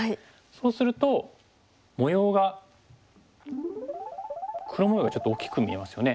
そうすると模様が黒模様がちょっと大きく見えますよね。